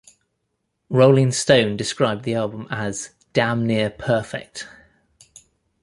Rolling Stone described the album as 'damn near perfect.